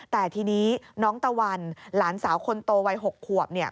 แต่ทีนี้น้องตะวันหลานสาวคนโตวัย๖ขวบเนี่ย